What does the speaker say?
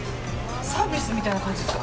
サービスみたいな感じですか。